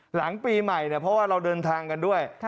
หลังปีใหม่เพราะว่าเราเดินทางกันด้วย